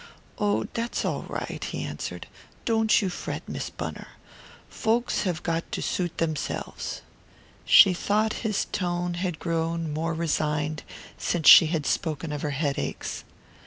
"Oh, that's all right," he answered. "Don't you fret, Miss Gunner. Folks have got to suit themselves." She thought his tone had grown more resigned since she had spoken of her headaches.